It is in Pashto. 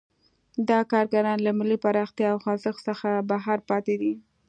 دا کارګران له ملي پراختیا او خوځښت څخه بهر پاتې دي.